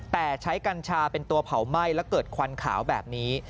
แต่ใช้กัญชาเป็นตัวเผาไหม้แล้วเกิดควันขาวแบบนี้